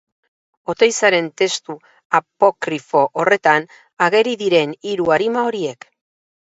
Oteizaren testu apokrifo horretan ageri diren hiru arima horiek.